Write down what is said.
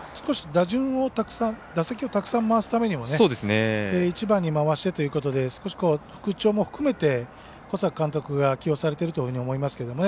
打席をたくさん回すためにも１番に回してということで小坂監督が起用されてると思いますけどね。